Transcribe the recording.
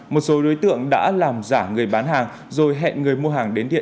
một số đối tượng đã làm giả người bán hàng rồi hẹn người mua hàng đến thiện